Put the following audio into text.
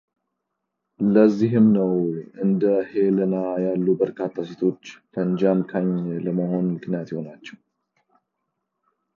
ለዚህም ነው እንደ ሄለና ያሉ በርካታ ሴቶች ፈንጂ አምካኝ ለመሆን ምክንያት የሆናቸው።